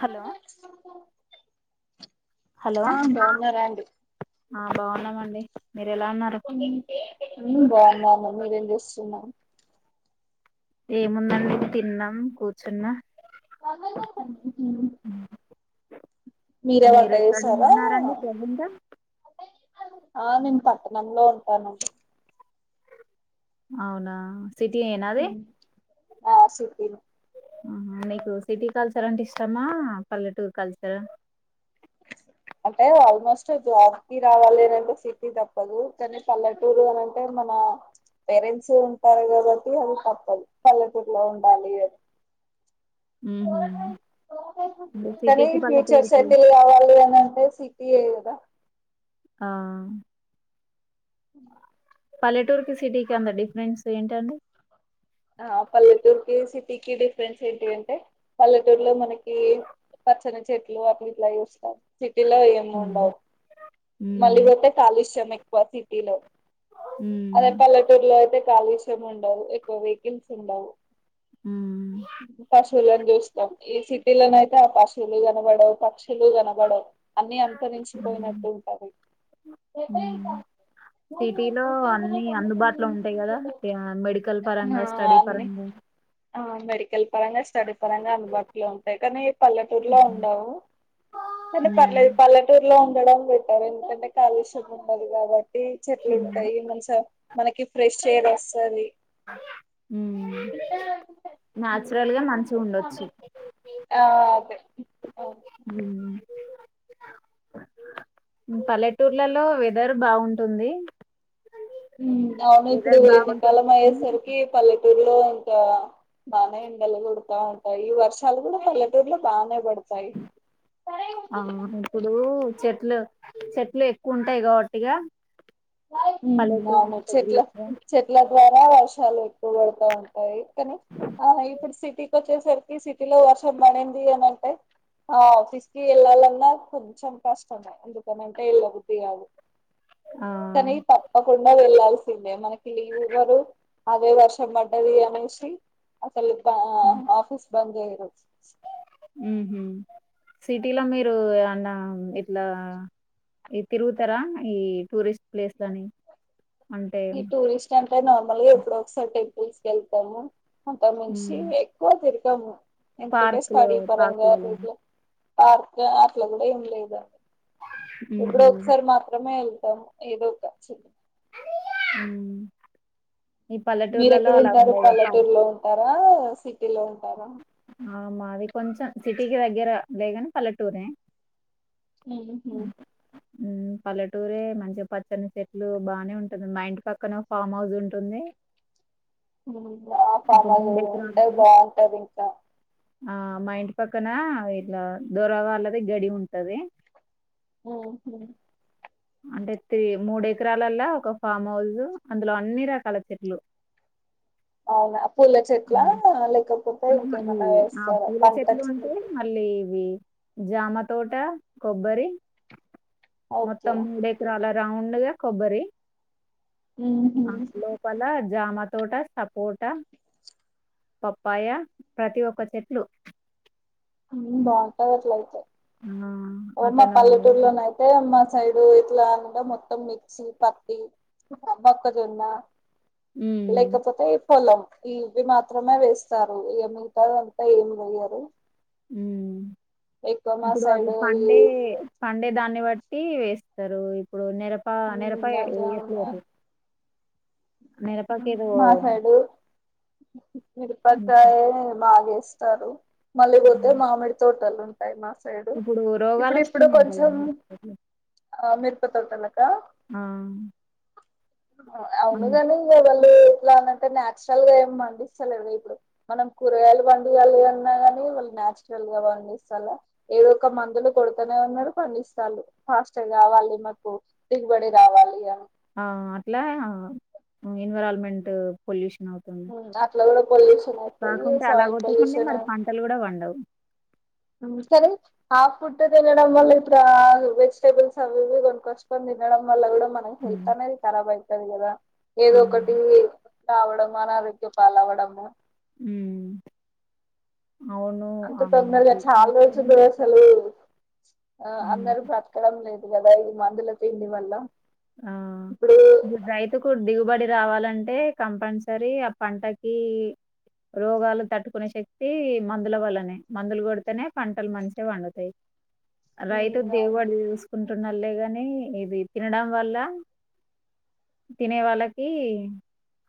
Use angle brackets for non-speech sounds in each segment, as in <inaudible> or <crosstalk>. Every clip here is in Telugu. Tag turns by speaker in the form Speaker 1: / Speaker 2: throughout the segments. Speaker 1: హలో హలో
Speaker 2: ఆ బావున్నారా అండి.
Speaker 1: ఆ బావున్నమండి.
Speaker 2: మ్మ్ బావున్నాను మీరేం చేస్తున్నారు.
Speaker 1: ఏముందండి తిన్నం కూర్చున్న.
Speaker 2: <unintelligible> మీరే వంట
Speaker 1: మీరెక్కడ
Speaker 2: చేసారా
Speaker 1: ఉంటున్నారండి ప్రెసెంటు.
Speaker 2: ఆ నేను పట్నంలో ఉంటానండి.
Speaker 1: అవునా సిటీి ఏనా అది.
Speaker 2: ఆ సిటిల్
Speaker 1: ఆ మీకు సిటీ కల్సార అంటే ఇష్టమా పల్లెటూరు కల్సారా
Speaker 2: సిటీ రావాలి అనంటే సిటీ తప్పదు కానీ పల్లెటూరు అనింటే మన పేరెంట్స్ సరే కదటి అది తప్పదు పల్లెటూర్ లో ఉండాలి అది
Speaker 1: <inaudible> ఉహు అంటే
Speaker 2: కానీ
Speaker 1: సిటీకి
Speaker 2: ఫ్యూచర్స్
Speaker 1: పల్లెటూరుకి
Speaker 2: సెటిల్ కావాలి అని అంటే సిటీఎకదా
Speaker 1: ఆ
Speaker 2: <inaudible>
Speaker 1: పల్లెటూర్కి సిటీకిి అంతా డిఫరెన్స్ ఏంటండి
Speaker 2: ఆ పల్లెటూరుకి సిటీకి డిఫరెన్స్ ఏంటి అంటే పల్లెటూరులో మనకి పచ్చని చెట్లు అట్లా ఇట్లా చేస్తమ్ సి సిటీలో ఏమి
Speaker 1: ఉమ్,
Speaker 2: ఉండవు,
Speaker 1: ఉమ్,
Speaker 2: మళ్ళీపోతే కాలుష్యం ఎక్కువ సిటీలో అదే
Speaker 1: ఉమ్,
Speaker 2: పల్లెటూరులో అయితే కాలుష్యమ్ ఉండవు ఎక్కువ వెహికల్స్ ఉండవు
Speaker 1: ఉమ్,
Speaker 2: పశువులాని జెస్తమ్ ఏ సి సిటీ ల అయితే ఆపశువులు కనబడవ్ పక్షిలు లు కనబడం అన్ని అంతరించిపోయినట్టు ఉంటది ఎప్రల్
Speaker 1: ఉమ్.
Speaker 2: టాస్క్ మూడు
Speaker 1: సిటీలో అన్ని
Speaker 2: తొమ్భ తొమ్ది
Speaker 1: అందుబాటులో
Speaker 2: ను
Speaker 1: ఉంటాయి కదా యా, మెడికల్ పరంగా
Speaker 2: ఆ
Speaker 1: స్టడీ
Speaker 2: అండి
Speaker 1: పరంగా
Speaker 2: ఆ మెడికల్ పరంగా స్టడీ పరంగా అందుబాటులో ఉంటాయి కానీ పల్లెటూరులో ఉండవు కాని పర్వలేదు పల్లెటూరులో ఉండడం బెట్టరు ఎందుకంటే కాలుష్యం ఉండదు కాబట్టి చెట్లు ఉంటాయి మంచిగా మనకి ఫ్రెష్ ఎయిర్ వస్తది <unintelligible>
Speaker 1: నాచురల్ గా మంచిగా ఉండొచ్చు
Speaker 2: ఆ అదే ఓకే
Speaker 1: ఉమ్ పల్లెటూర్లలో వెదర్ బాగుంటుంది
Speaker 2: మ్ అవును ఇప్పుడు
Speaker 1: వెదర్ బాగుంటుంది
Speaker 2: ఎండాకాలం అయ్యేసరికి పల్లెటూరులో ఇంకా బానే ఎండలు కొడతా ఉంటాయి, ఈ వర్షాలు కూడా పల్లెటూరులో బాగానే పడతాయి
Speaker 1: అవును ఇప్పుడు చెట్లు చెట్లు ఎక్కువ ఉంటాయి కాబట్టిగా
Speaker 2: మ్
Speaker 1: పల్లెటూరు
Speaker 2: అవును
Speaker 1: మంచిగా
Speaker 2: చెట్లా
Speaker 1: గ్రీన్ గా
Speaker 2: చెట్లా ద్వార వర్షాలు ఎక్కువ పడుతా ఉంటాయి కానీ ఆ ఇప్పుడు సిటీకి వచ్చేసరికి సిటీలో వర్షం పడింది అని
Speaker 1: <inaudible>
Speaker 2: ఆఫీస్ కి వెళ్ళాలన్నా కొంచెం కష్టమే ఎందుకనంటే వెళ్ళబుద్ధి గాదు
Speaker 1: ఆ
Speaker 2: కానీ తప్పకుండా వెళ్లాల్సిందే మనకి లీవ్ ఇవ్వరు అదే వర్షం పడ్డది అనే చి అసలు ఆఫీస్ బంద్ చెయ్యేరు
Speaker 1: ఉహ సిటీలో మీరు ఎమ్న్న ఇట్లా ఈ తిరుగుతారా ఈ టూరిస్ట్ ప్లేస్లని అంటే
Speaker 2: ఈ టూరిస్ట్ అంటే నార్మల్గా ఎప్పుడో ఒకసారి టెంపుల్స్ కెళ్తాము అంత మంచి
Speaker 1: ఉమ్,
Speaker 2: ఎక్కువ తిరగము ఎందుకంటే
Speaker 1: పార్కులు
Speaker 2: స్టడీ పరంగా
Speaker 1: పార్కులలో
Speaker 2: టూర్ట్లు పార్క్ అట్లా గూడా ఏం లేదుండి ఎప్పుడో
Speaker 1: ఉహు
Speaker 2: ఒకసారి మాత్రమే వెళ్దు ఇ ఏదో ఒకా చి
Speaker 1: మ్
Speaker 2: మీర ఎక్కడ ఉంటారు పల్లెటూరులో ఉంటారా సిటీ లో ఉంటారా
Speaker 1: ఆమాది కొంచెం సిటీకి దగ్గర లేగానే పల్లెటూరే
Speaker 2: ఉహు
Speaker 1: మ్ పల్లెటూరే మంచిగా పచ్చని చెట్లు బాగానే ఉంటుంది మా ఇంటి పక్కనే ఫామ్ హౌస్ ఉంటుంది <inaudible>
Speaker 2: మ్ ఆ
Speaker 1: ఒక
Speaker 2: ఫామ్ హస్
Speaker 1: ఎకరాలు
Speaker 2: ఉంటది బాగుంటది ఇంకా
Speaker 1: ఆ మా ఇంటి పక్కన ఇట్లా దూర వాళ్ళది గడి ఉంటది
Speaker 2: ఓహో
Speaker 1: అంటే త్ర మూడు ఎకరాలల్లా ఒక ఫామ్ హౌస్ అందులో అన్ని రకాల చెట్లు
Speaker 2: అవునా పూల చెట్ల
Speaker 1: హ్మ్.
Speaker 2: లేకపోతే
Speaker 1: ఆహా!
Speaker 2: ఇంకేమన్నా వేస్తారా పంట చె
Speaker 1: లేదు జామ తోట కొబ్బరి
Speaker 2: ఓకే
Speaker 1: మొత్తం మూడు ఎకరాల రౌండ్గా కొబ్బరి
Speaker 2: ఉహు.
Speaker 1: ఆ లోపల జామ తోట సపోట ప పయ ప్రతి ఒక్క చెట్లు
Speaker 2: అ బాగుంటది అట్ల అయితే
Speaker 1: ఆ
Speaker 2: ఓ మా
Speaker 1: అతను
Speaker 2: పల్లెటూరులోన అయితే మా సైడు ఇట్లా అ మొత్తం మిర్చి పత్తి మక్కజొన్న
Speaker 1: ఉమ్
Speaker 2: లేకపోతే పొలం ఇవి మాత్రమే వేస్తారు ఈ మిగతా అంతా ఏమి వేయ్యరు
Speaker 1: ఉమ్
Speaker 2: ఇంకా మా
Speaker 1: ఇప్పుడు
Speaker 2: సైడ్
Speaker 1: అవి పండే పండే దాన్ని బట్టి వేస్తారు ఇప్పుడు నెరప నెరప ఎట్లేరు
Speaker 2: మాసైడు
Speaker 1: ఉమ్,
Speaker 2: విరుపకాయ బాగాస్తారు మళ్ళీపోతే మామిడి తోటలు ఉంటాయి మా సైడు
Speaker 1: ఇప్పుడు రోగాలు
Speaker 2: ఇప్పుడు ఇప్పుడు
Speaker 1: వస్తున్నాయంట కదా
Speaker 2: కొంచెం
Speaker 1: మిరపకి.
Speaker 2: ఆ మిరుప తోటలక
Speaker 1: ఆ అన్-
Speaker 2: అవునుగానీ మీరు ఎట్లా అంటే నచురల్ గా ఏ పండిస్తలే ఇప్పుడు మనం కూరగాయలు పండుగలి అన్నా కానీ వాళ్ళునేచురల్ గా పండిస్తాలా ఏదో ఒక మందులు కొడుతనే ఉన్నా పండిస్త ఫాస్ట్ కావాలి మాకు దిగుబడి రావాలి అని
Speaker 1: ఆ అట్లా ఇన్వెర్నూమెంట్ పొల్యూషన్ అవుతుంది
Speaker 2: ఉమ్, అట్లా కూడా పొల్యూషన్ అయిపోయి
Speaker 1: కాకుంటే
Speaker 2: సాయిల్
Speaker 1: అలాగొట్టకుండి మరి పంటలు కూడా పాండవ్
Speaker 2: సర ఆఫ్ ఫుడ్ది తినడంవల్ల వెజిటేబల్స్ అవివి కొకస్క తినడం వల్ల కూడా మనకి
Speaker 1: ఉమ్
Speaker 2: హెల్త్ అనేది ఖరాబ్ అవుతది కదా
Speaker 1: ఆ,
Speaker 2: ఏదో ఒకటి తాగడము అనారోగ్య పల్లావడము
Speaker 1: హ్మ్మ్
Speaker 2: అంత తొందరగా చాలా రోజులు అసలు ఆ అందరు బ్రతకడం లేదు వాళ్ళేయ్ మందుల తిండి వల్ల
Speaker 1: ఆ ఇప్పుడు రైతుకు దిగుబడి రావాలంటే కంపల్సరీ ఆ పంటకి రోగాలు తట్టుకునే శక్తి మందుల వల్లనే మందులు కొడితేనే పంటల్ మంచిగా పండుతాయి రైతు
Speaker 2: ఉమ్ అవును
Speaker 1: దిగుబడి చూసుకుంటున్నలే కానీ ఇది తినడం వల్ల తినే వాళ్ళకి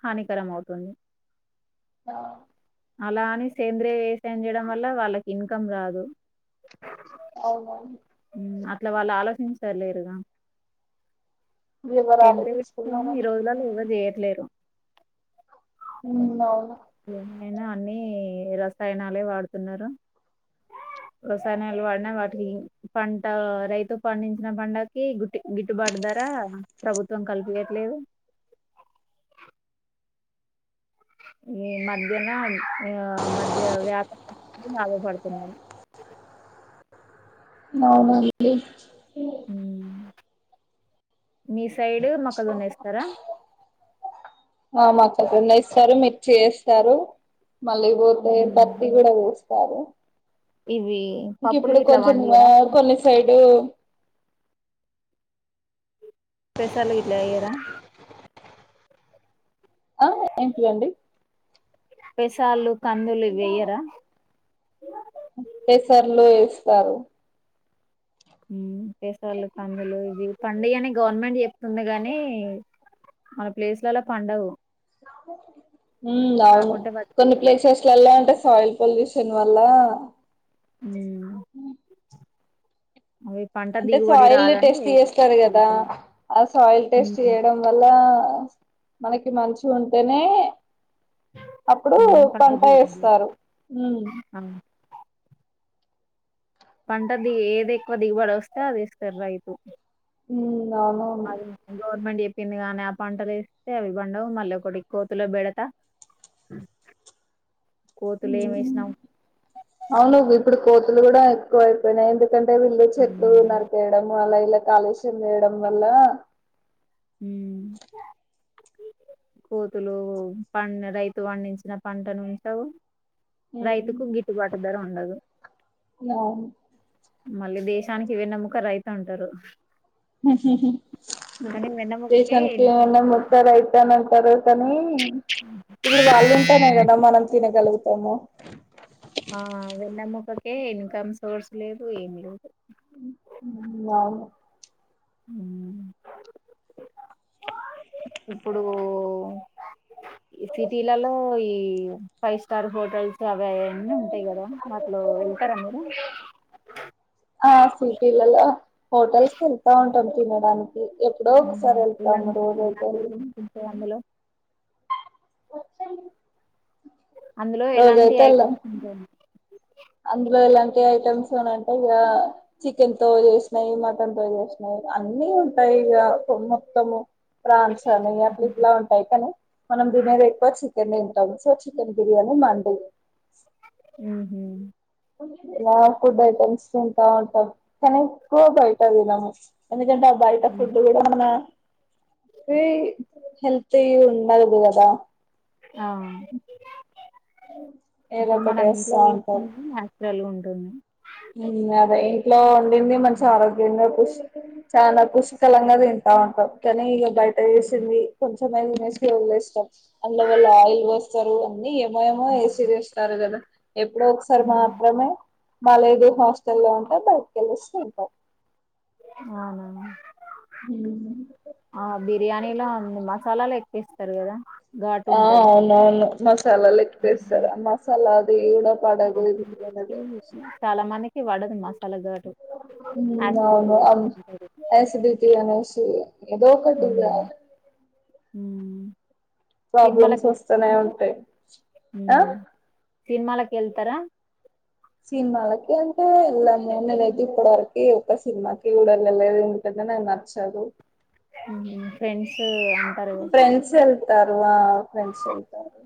Speaker 1: హానికరం అవుతుంది
Speaker 2: ఆ
Speaker 1: అలా అని సేంద్రియ వేవసాయం చేయడం వల్ల వాళ్ళకి ఇన్కమ్ రాదు
Speaker 2: అవునవును
Speaker 1: ఉమ్, అట్లా వాళ్ళ ఆలోచించ లేరుగా
Speaker 2: వివరాలు
Speaker 1: సేంద్రియ వ్యవసాయం ఈ
Speaker 2: తీసుకున్నామని
Speaker 1: రోజులలో ఎవరు చేయట్లేరు
Speaker 2: ఉమ్మ్ అవును
Speaker 1: ఏమైనా అన్ని రసాయనాలే వాడుతున్నారు రసాయనాలు పడినా వాటికి పంట రైతు పండించిన పంటకి గుట్టి గిట్టుబాటు దార ప్రభుత్వం కల్పియట్లేదు ఈ మధ్యన ఆ మధ్య వ్యాపరులు లాభ పడుతున్నారు ఓ
Speaker 2: అవునడి
Speaker 1: ఉమ్. మీ సైడ్ మక్క జోన్నవేస్తారా
Speaker 2: ఆ మొక్కజొన్న ఏస్తారు మిర్చి చేస్తారు మళ్ళీ పోతే
Speaker 1: ఉమ్.
Speaker 2: పత్తి కూడా పో సరే
Speaker 1: ఇవి
Speaker 2: ఇంక
Speaker 1: పప్పులు
Speaker 2: ఇప్పుడు
Speaker 1: ఇట్లా
Speaker 2: కొంచం
Speaker 1: వండియరా
Speaker 2: కొన్ని సైడ్
Speaker 1: పేసలు ఇట్లయ్యరా
Speaker 2: ఆ ఏంటి అండి
Speaker 1: పైసాలు ఆలు
Speaker 2: పెసలు వేస్తారు
Speaker 1: పెసలు కందులు ఇది పండించండి అని గవర్నమెంట్ చెప్తుంది గాని మన ప్లేస్లలో పండవు
Speaker 2: అవును
Speaker 1: కాకుంటే వాటికి
Speaker 2: కొన్ని ప్లేసెస్ లో ఎళ్లా ఉంటే సయిల్ పొల్యూషన్ వల్ళ
Speaker 1: అ
Speaker 2: అంటే సాయిల్
Speaker 1: రాదని
Speaker 2: టెస్ట్ చేస్తారు కదా
Speaker 1: వేయకూడదు.
Speaker 2: ఆ సాయిల్
Speaker 1: ఉమ్
Speaker 2: టెస్ట్ చేయడం వల్ల మనకి మంచి ఉంటేనే అప్పుడు
Speaker 1: ఉమ్
Speaker 2: పంట
Speaker 1: దిగుబడి
Speaker 2: వేస్తారు హ
Speaker 1: ఆ పంట ది ఏది ఎక్కువ దిగుబడి వస్తే అది ఏస్తారు రైతు
Speaker 2: ఉమ్, అవునవును
Speaker 1: అదే గవర్నమెంట్ చేపింగాని ఆ పంటలు వేస్తే అవి పండవు మళ్ళీ ఒకటి కోతులో బెడతా అ
Speaker 2: అవును ఇప్పుడు కోతులు కూడా ఎక్కువ అైపోయినాయి ఎందుకంటే వీళ్ళు చెట్లు
Speaker 1: ఉమ్
Speaker 2: నరికేయడం అలా ఇలా కాలుష్యం వేయడం వల్ల
Speaker 1: హ కోతులు ప రైతు పండించిన పంటను ఉంచవు రైతుకు గిట్టుబాటు ధర ఉండదు
Speaker 2: అ
Speaker 1: మళ్ళీ దేశానికి వెన్నుముక రైతు అంటారు కానీ వెన్నెముకకే
Speaker 2: దేశానికి
Speaker 1: ఇన్కమ్
Speaker 2: వెన్నుముక రైతన్న అంటారు కానీ ఇప్పుడు వాళ్ళు ఉంటానే కదా మనం తినగలుగుతాము
Speaker 1: ఆ వెన్నముకకే ఇన్కమ్ సోర్స్ లేదు ఏం లేదు
Speaker 2: అవును
Speaker 1: అ ఇప్పుడు సిటీలలో ఈ ఫైవ్ స్టార్ హోటల్స్ యాభై అన్నీ ఉంటాయి కదా అట్లు వెళ్తారా మీరు
Speaker 2: పిల్ల హోటల్స్ ఎంత ఉ ం తినడానికి ఎప్పుడో
Speaker 1: మ్మ్.
Speaker 2: ఒకసారి వెళ్తాము
Speaker 1: ఎలాంటి
Speaker 2: రోజయితే
Speaker 1: ఎలాంటి ఫుడ్స్ ఉంటాయి అందులో
Speaker 2: వచ్చడి
Speaker 1: అందులో ఎలాంటి ఐటెమ్స్ ఉంటా
Speaker 2: అందులో ఎలాంటి ఐటెమ్స్ అంటే ఇక చికెన్ తో చేసినాయి మటన్ తో చేసినాయి అన్నీ ఉంటాయి ఇక మొత్తము ప్రాన్సాలు అట్లు ఇట్లా ఉంటాయి కానీ మనం దీని మీద ఎక్కువచ్చ చికె తంటాం సో చికెన్ బిర్యానీ మండ
Speaker 1: ఆ
Speaker 2: ఫుడ్ ఐటెమ్స్ తింటా ఉంటా కనకుైతది నమ్ ంట బయట ఫుడ్డు విడ ఉన్నా అ హెల్త్ ఉండదు కదా
Speaker 1: ఆ
Speaker 2: ఏదో
Speaker 1: ఇప్పుడు
Speaker 2: ఒకటి
Speaker 1: మనం
Speaker 2: వేస్తా
Speaker 1: ఇంట్లో చేసుకునేది నాచురల్ ఉంటుంది
Speaker 2: ఉన్నదై లో వండింది మంచి ఆరోగ్యంగా పుష్ చాలా పుష్కలంగా తింటా ఉంటాం కానీ ఇగబ్ బయట ఏసింది కొంచమే తినేసి వదిలేస్తాం అందులో వాళ్ళు ఆయిల్ వోస్తారు అన్నీ ఏమో ఏమో ఏసి చేస్తారు కదా ఎప్పుడో ఒకసారి మాత్రమే ఈ హాస్టల్ లో ఉంటా బై
Speaker 1: అవునా
Speaker 2: ఉమ్.
Speaker 1: ఆ బిర్యానీలా మసాలాలు ఎక్కువ ఏస్తారు కదా ఘాటు
Speaker 2: ఆ
Speaker 1: ఉంటది
Speaker 2: అవును అవును మసాలాలు ఎక్కువ ఏస్తారు ఆ మసాలా అగు
Speaker 1: చాలా మందికి వడదు మసాలా ఘాటు
Speaker 2: ఉ
Speaker 1: యాసిడిటీ
Speaker 2: అవును అమ్
Speaker 1: వస్తుంటది
Speaker 2: ఏ సిద్ధు ఇటు ఇయ్యి అనేసి ఏదో ఒకటి ఇగ
Speaker 1: ఉ
Speaker 2: ప్రాబ్లమ్స్ వస్తనే ఉంటాయి ఆ
Speaker 1: సినిమాలకు వెళ్తారా
Speaker 2: సినిమాలకి అంటే వెళ్ళాను నేను నేను అయితే ఇప్పటివరకి ఒక సినిమాకి కూడా వెళ్ళలే ఎందుకు అని నన్నా నచ్చదు
Speaker 1: ఉహు ఫ్రెండ్స్ అంటారు కదా
Speaker 2: అలా పెంచి వెళ్తారు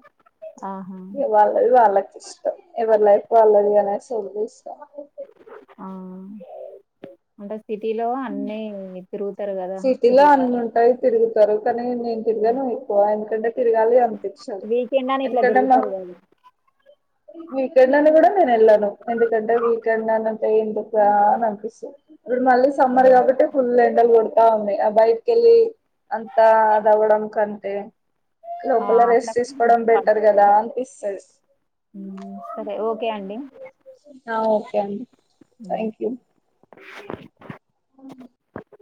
Speaker 1: ఆహా
Speaker 2: ఇగ వాళ్ళది వాళ్ళకు ఇష్టం ఎవరిలైఫ్ వాళ్ళది గదా సో వేంచుతా
Speaker 1: ఆ అంటే సిటీలో అన్నీ ఈ తిరుగుతర్
Speaker 2: సిటీలో అన్ని ఉంటాయి తిరుగుతారు కానీ నేను తిరిగను ఎక్కువ ఎందుకంటే తిరగాలి అనిపించాదు
Speaker 1: వీకెండ్ అని ఇట్లా
Speaker 2: ఎందుకంటే మా
Speaker 1: తిరుగుతారు కదా
Speaker 2: వీకెండ్ అని కూడా నేను వెళ్ళాను ఎందుకంటే వీకెండ్ అన్నా అంటే ఎందుకు ఆ అని అనిపిస్తది ఇప్పుడు మళ్ళీ సమ్మర్ కాబట్టి ఫుల్ ఎండలు కొడు తుంది ఆ బయటకు వెళ్లి అంతా అది అవడం కంతే లోపల
Speaker 1: అట్లా
Speaker 2: రెస్ట్ తీసుకోవడం బెటర్ కదా అనిపిస్తది
Speaker 1: హ్మ్. సరే ఓకే అండి
Speaker 2: ఆ ఓకే అండి
Speaker 1: హ్మ్.
Speaker 2: Thank you